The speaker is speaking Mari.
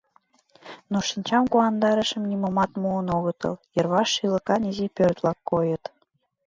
Но шинчам куандарышым нимомат муын огытыл, йырваш шӱлыкан изи пӧрт-влак койыт.